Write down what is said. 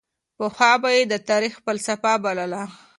پخوا به یې د تاریخ فلسفه بلله.